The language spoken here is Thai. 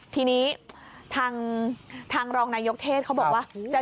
ทีนี้ทางรองนายกเทศเขาบอกว่า